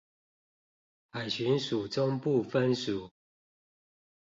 海巡署中部分署